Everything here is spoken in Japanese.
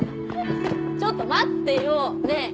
ちょっと待ってよねえ。